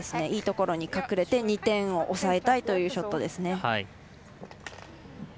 いいところに隠れて２点を抑えたいというショットですね。